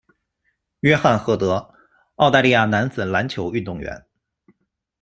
约翰·赫德，澳大利亚男子篮球运动员。